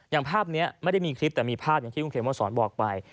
อย่างภาพนี้ไม่ได้มีคลิปแต่มีภาพอย่างที่คุณเขมมาสอนบอกไป